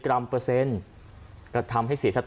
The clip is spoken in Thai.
ก็แค่มีเรื่องเดียวให้มันพอแค่นี้เถอะ